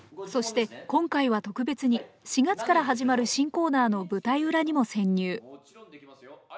そして今回は特別に４月から始まる新コーナーの舞台裏にも潜入。